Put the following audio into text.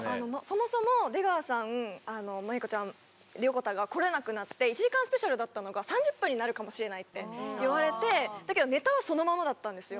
そもそも出川さん麻友子ちゃん横田が来れなくなって１時間スペシャルだったのが３０分になるかもしれないって言われてだけどネタはそのままだったんですよ。